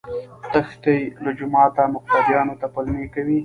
تښتي له جوماته مقتديانو ته پلمې کوي